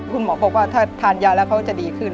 คุณหมอบอกว่าถ้าทานยาแล้วเขาจะดีขึ้น